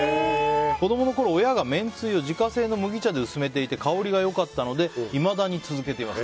子供のころ親がめんつゆを自家製の麦茶で薄めていて香りが良かったのでいまだに続けています。